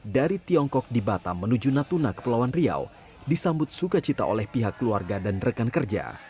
dari tiongkok di batam menuju natuna kepulauan riau disambut sukacita oleh pihak keluarga dan rekan kerja